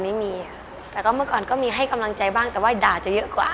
มีค่ะตอนนี้มีแต่ว่าเมื่อก่อนก็มีให้กำลังใจบ้างแต่ว่าด่าจะเยอะกว่า